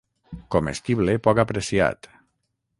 Comestible poc apreciat.